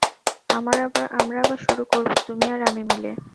আমরা আবার শুরু করবো, তুমি আর আমি মিলে।